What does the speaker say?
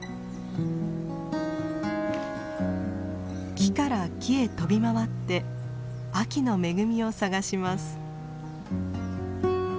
木から木へ飛び回って秋の恵みを探します。